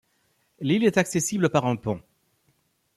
L'île est accessible par un pont.